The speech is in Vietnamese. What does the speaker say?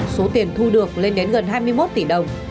số tiền thu được lên đến gần hai mươi một tỷ đồng